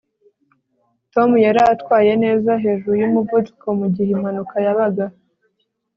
tom yari atwaye neza hejuru yumuvuduko mugihe impanuka yabaga